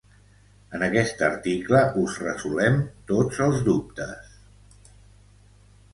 En aquest article, us resolem tots els dubtes.